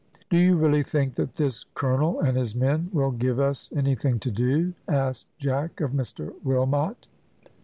"Do you really think that this colonel and his men will give us anything to do?" asked Jack of Mr Wilmot.